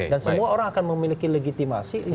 dan semua orang akan memiliki legitimasi